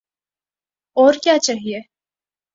اور کیا چاہیے؟